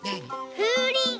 ふうりん。